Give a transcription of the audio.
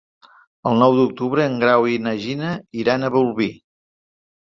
El nou d'octubre en Grau i na Gina iran a Bolvir.